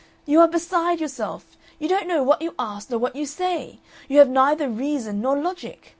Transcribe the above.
You are beside yourself. You don't know what you ask nor what you say. You have neither reason nor logic.